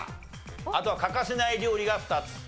あとは欠かせない料理が２つ。